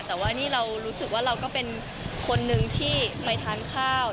แต่ว่านี่เรารู้สึกว่าเราก็เป็นคนนึงที่ไปทานข้าว